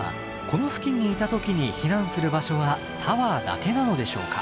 この付近にいた時に避難する場所はタワーだけなのでしょうか？